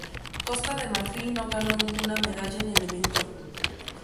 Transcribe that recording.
Costa de Marfil no ganó ninguna medalla en el evento.